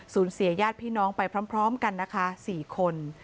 เสียญาติพี่น้องไปพร้อมกันนะคะ๔คน